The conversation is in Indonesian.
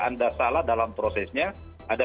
anda salah dalam prosesnya ada